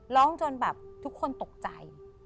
ร้องจนแบบทุกคนตกใจ